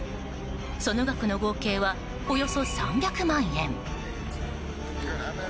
その額の合計はおよそ３００万円。